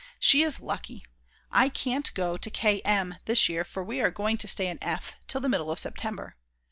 She is lucky! I can't go to K M this year, for we are going to stay in F. till the middle of September.